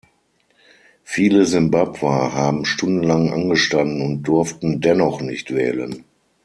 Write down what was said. Viele Simbabwer haben stundenlang angestanden und durften dennoch nicht wählen.